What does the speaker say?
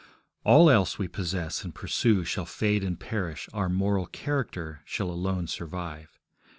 All else we possess and pursue shall fade and perish, our moral character shall alone survive.